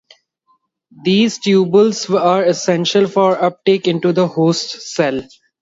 These tubules are essential for uptake into the host cell.